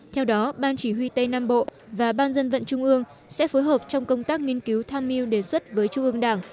theo đó ban chỉ huy tây nam bộ và ban dân vận trung ương sẽ phối hợp trong công tác nghiên cứu tham mưu đề xuất với trung ương đảng